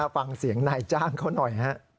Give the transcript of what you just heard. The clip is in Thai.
ฟังเสียงนายจ้างเขาหน่อยฮะ